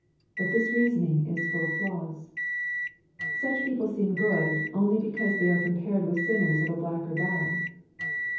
But this reasoning is full of flaws. Such people seem good, only because they are compared with sinners of a blacker dye.